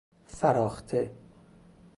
فراخته